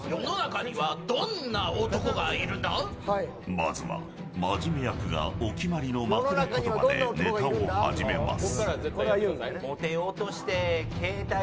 まずは、まじめ役がお決まりの枕ことばでネタを始めます。